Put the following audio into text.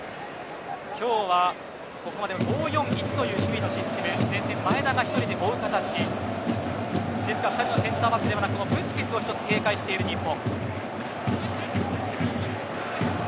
今日はここまで５−４−１というシステムで前線、前田が１人で追う形ですから２人のセンターバックではなくブスケツを警戒している日本。